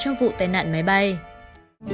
hãy đăng ký kênh để ủng hộ kênh của mình nhé